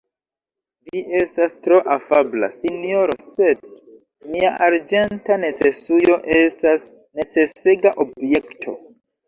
Vi estas tro afabla, sinjoro, sed mia arĝenta necesujo estas necesega objekto.